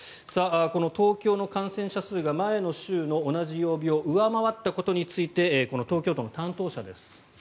この東京の感染者数が前の週の同じ曜日を上回ったことについて東京都の担当者です。